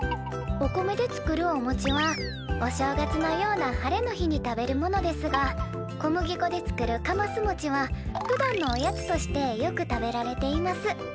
お米で作るおもちはお正月のような晴れの日に食べるものですが小麦粉で作るかますもちはふだんのおやつとしてよく食べられています。